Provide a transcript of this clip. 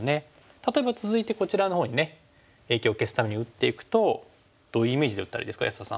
例えば続いてこちらのほうにね影響を消すために打っていくとどういうイメージで打ったらいいですか安田さん。